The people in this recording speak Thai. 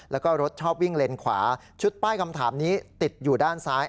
แล้วก็รถชอบวิ่งเลนขวาชุดป้ายคำถามนี้ติดอยู่ด้านซ้าย